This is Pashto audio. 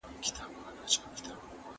کله چي هغه ووتلی، نو هوا ډېره توره سوه.